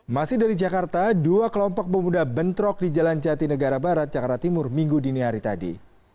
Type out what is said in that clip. masih dari jakarta dua kelompok pemuda bentrok di jalan jati negara barat jakarta timur minggu dini hari tadi